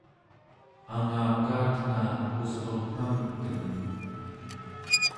angakaatnga usruqngamteng